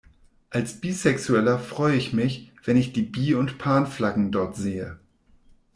Als Bisexueller freu ich mich, wenn ich die Bi- und Pan-Flaggen dort sehe.